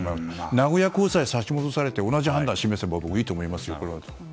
名古屋高裁、差し戻されて同じ判断を示せば僕はいいと思いますよ、これは。